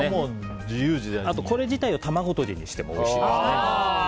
あと、これ自体を卵とじにしてもおいしいですね。